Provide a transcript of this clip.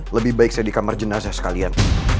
lebih baik saya di kamar jenazah sekalian